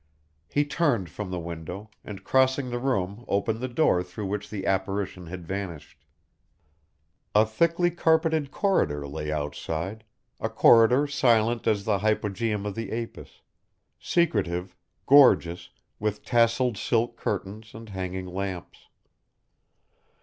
He turned from the window, and crossing the room opened the door through which the apparition had vanished. A thickly carpeted corridor lay outside, a corridor silent as the hypogeum of the Apis, secretive, gorgeous, with tasseled silk curtains and hanging lamps.